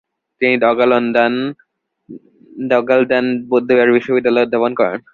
তিনি দ্গা'-ল্দান বৌদ্ধবিহার বিশ্ববিদ্যালয়ে অধ্যাপনা করেন।